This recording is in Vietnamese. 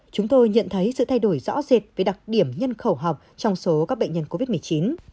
chúng tôi nhận thấy sự thay đổi rõ rệt với đặc điểm nhân khẩu học trong số các bệnh nhân covid một mươi chín